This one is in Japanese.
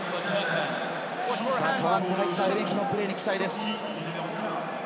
代わって入ったレメキのプレーに期待です。